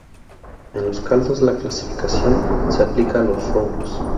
En los caldos la clarificación se aplica a los roux.